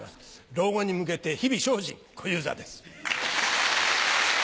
老後に向けて日々精進小遊三です。